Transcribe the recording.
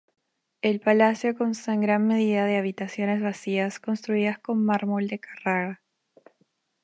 El palacio consta en gran medida de habitaciones vacías construidas con mármol de Carrara.